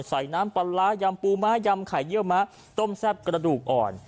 น้ำปลาร้ายำปูม้ายำไข่เยี่ยวมะต้มแซ่บกระดูกอ่อน